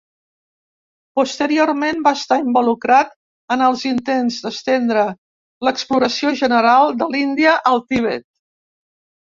Posteriorment, va estar involucrat en els intents d'estendre l'exploració general de l'Índia al Tibet.